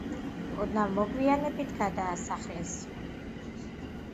ოდნავ მოგვიანებით გადაასახლეს.